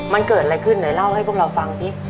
มันเกิดอะไรขึ้นไหนเล่าให้พวกเราฟังสิ